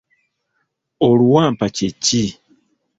Oluwampa kye ki?